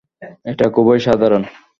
এটা খুবই সাধারণ।